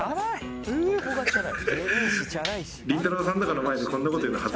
「どこがチャラい？」